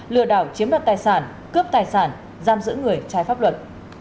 lừa đảo chiếm đoạt tài sản cướp tài sản giam giữ người trái pháp luật